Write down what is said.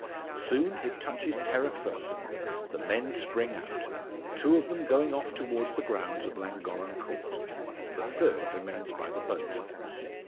Soon it touches terra firma, the men spring out; two of them going off towards the grounds of Llangorren Court. The third remains by the boat.